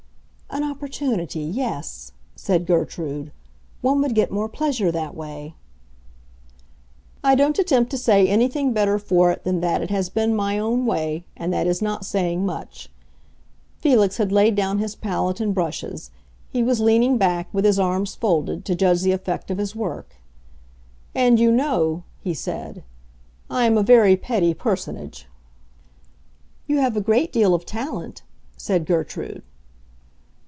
"An opportunity—yes," said Gertrude. "One would get more pleasure that way." "I don't attempt to say anything better for it than that it has been my own way—and that is not saying much!" Felix had laid down his palette and brushes; he was leaning back, with his arms folded, to judge the effect of his work. "And you know," he said, "I am a very petty personage." "You have a great deal of talent," said Gertrude.